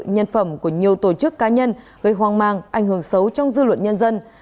nhân phẩm của nhiều tổ chức cá nhân gây hoang mang ảnh hưởng xấu trong dư luận nhân dân